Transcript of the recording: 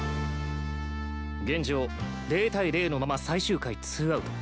現状０対０のまま最終回ツーアウト